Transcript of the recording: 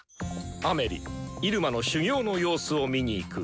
アメリ入間の修行の様子を見に行く。